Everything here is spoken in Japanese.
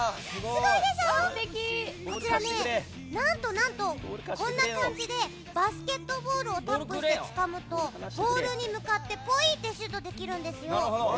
こちら、こんな感じでバスケットボールをタップしてつかむとゴールに向かってシュートできるんですよ。